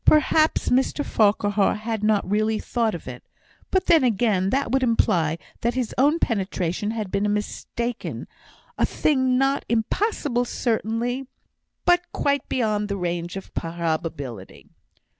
Perhaps Mr Farquhar had not really thought of it; but then again, that would imply that his own penetration had been mistaken, a thing not impossible certainly, but quite beyond the range of probability.